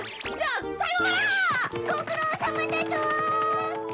ごくろうさまだぞ！